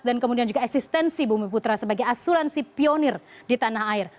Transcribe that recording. dan kemudian juga eksistensi bumi putra sebagai asuransi pionir di tanah air